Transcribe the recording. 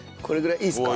いいっすか？